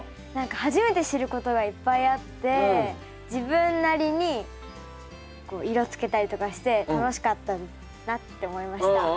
何か初めて知ることがいっぱいあって自分なりにこう色つけたりとかして楽しかったなって思いました。